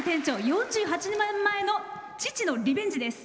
４８年前に「のど自慢」の父のリベンジです。